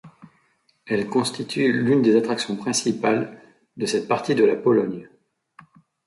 Elle constitue l'une des attractions principales de cette partie de la Pologne.